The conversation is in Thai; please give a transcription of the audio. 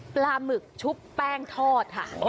ปลาหมึกชุบแป้งทอดค่ะ